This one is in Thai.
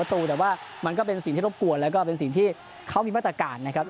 ประตูแต่ว่ามันก็เป็นสิ่งที่รบกวนแล้วก็เป็นสิ่งที่เขามีมาตรการนะครับ